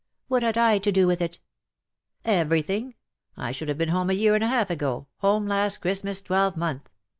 What had I to do with it/' ^' Everything. I should have been home a year and a half ago — home last Christmas twelvemonth.